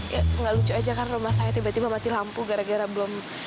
ya nggak lucu aja kan rumah saya tiba tiba mati lampu gara gara belum